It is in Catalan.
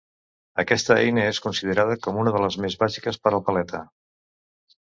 Aquesta eina és considerada com una de les més bàsiques per al paleta.